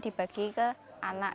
dibagi ke anak